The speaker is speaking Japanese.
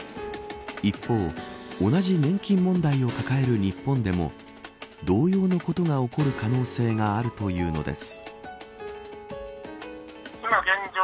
一方、同じ年金問題を抱える日本でも同様のことが起こる可能性があるというのです。